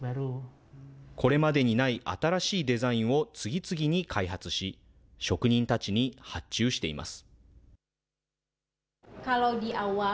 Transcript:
これまでにない新しいデザインを次々に開発し、職人たちに発注しています。